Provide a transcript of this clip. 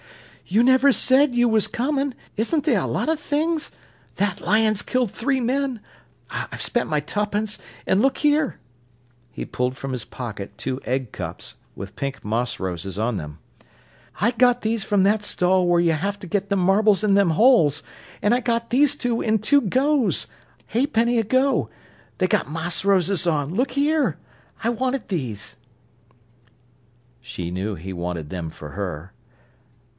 "You never said you was coming—isn't the' a lot of things?—that lion's killed three men—I've spent my tuppence—an' look here." He pulled from his pocket two egg cups, with pink moss roses on them. "I got these from that stall where y'ave ter get them marbles in them holes. An' I got these two in two goes 'aepenny a go they've got moss roses on, look here. I wanted these." She knew he wanted them for her.